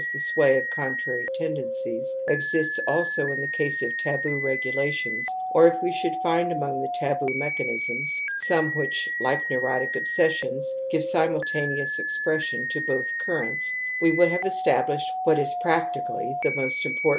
the sway of contrary tendencies j exists < THE AMBIVALENCE OF EMOTIONS 61 also in the case of taboo regulations or if we y should find among taboo mechanisms some p( which like neurotic obsessions give simultaneous ^ expression to both currents, we would have established what is practically the most import